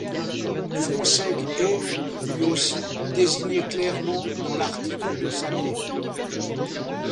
Fonsègue est, lui aussi, désigné clairement dans l'article de Sanier.